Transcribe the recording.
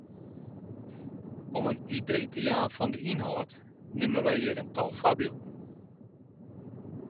Om in idee te jaan fan de ynhâld neame wy hjir in tal foarbylden.